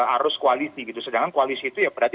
arus koalisi gitu sedangkan koalisi itu ya berarti